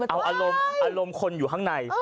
แต่เอาอารมณ์คนอยู่ข้างใน